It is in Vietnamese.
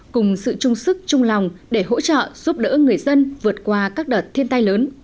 cùng sự chung sức chung lòng để hỗ trợ giúp đỡ người dân vượt qua các đợt thiên tai lớn